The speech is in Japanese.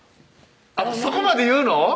そこまで言うの？